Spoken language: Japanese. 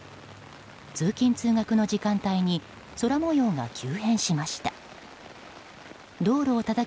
通勤・通学の時間帯に空模様が急変しました。